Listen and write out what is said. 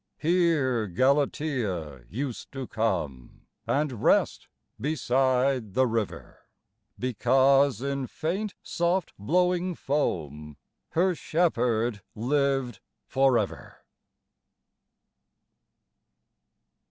Here Galatea used to come, and rest beside the river; Because, in faint, soft, blowing foam, her shepherd lived for ever.